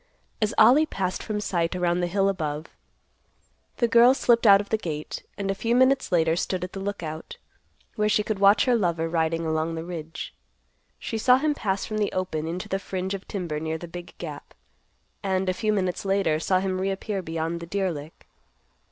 As Ollie passed from sight around the hill above, the girl slipped out of the gate, and a few minutes later stood at the Lookout, where she could watch her lover riding along the ridge. She saw him pass from the open into the fringe of timber near the big gap; and, a few minutes later, saw him reappear beyond the deer lick.